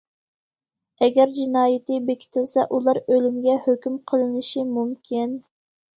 ئەگەر جىنايىتى بېكىتىلسە، ئۇلار ئۆلۈمگە ھۆكۈم قىلىنىشى مۇمكىن.